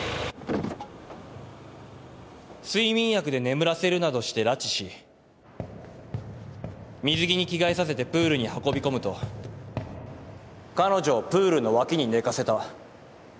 睡眠薬で眠らせるなどして拉致し水着に着替えさせてプールに運び込むと彼女をプールの脇に寝かせた。